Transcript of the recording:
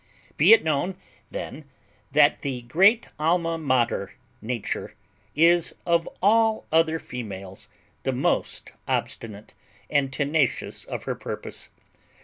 Be it known then that the great Alma Mater, Nature, is of all other females the most obstinate, and tenacious of her purpose.